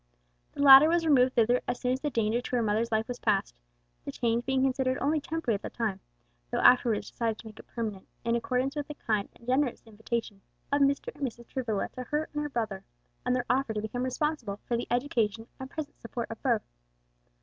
The latter was removed thither as soon as the danger to her mother's life was past, the change being considered only temporary at the time; though afterward it was decided to make it permanent, in accordance with the kind and generous invitation of Mr. and Mrs. Travilla to her and her brother, and their offer to become responsible for the education and present support of both.